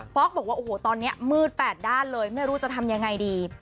๊อกบอกว่าโอ้โหตอนนี้มืดแปดด้านเลยไม่รู้จะทำยังไงดี